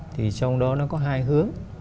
thì trong đó nó có hai hướng